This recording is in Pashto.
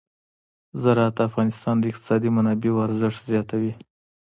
زراعت د افغانستان د اقتصادي منابعو ارزښت زیاتوي.